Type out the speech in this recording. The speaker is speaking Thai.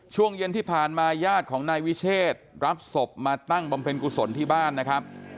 ช่วงเย็นที่ผ่านมาญาติของนายวิเชษรับศพมาตั้งบำเพ็ญกุศลที่บ้านนะครับ